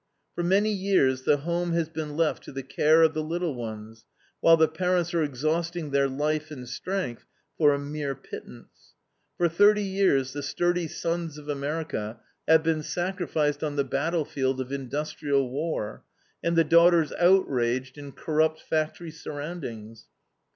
For many years the home has been left to the care of the little ones, while the parents are exhausting their life and strength for a mere pittance. For thirty years the sturdy sons of America have been sacrificed on the battlefield of industrial war, and the daughters outraged in corrupt factory surroundings.